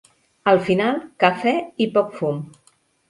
Al final, "cafè i poc fum".